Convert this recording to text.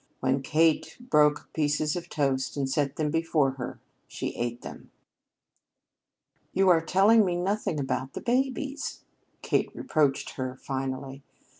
When Kate broke pieces of the toast and set them before her, she ate them. "You are telling me nothing about the babies," Kate reproached her finally.